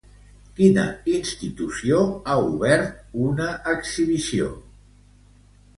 Quina institució ha obert una exhibició?